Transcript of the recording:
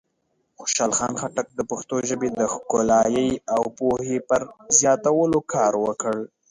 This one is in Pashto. خوشحال خان خټک د پښتو ژبې د ښکلایۍ او پوهې پر زیاتولو کار وکړ.